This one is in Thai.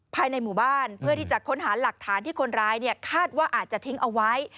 ภายในหมู่บ้านเพื่อที่จะค้นหาหลักฐานที่คนร้ายคาดว่าอาจจะทิ้งเอาไว้